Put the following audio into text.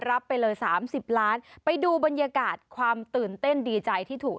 รับไปเลยสามสิบล้านไปดูบรรยากาศความตื่นเต้นดีใจที่ถูก